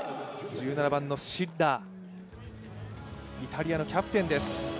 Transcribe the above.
１７番のシッラ、イタリアのキャプテンです。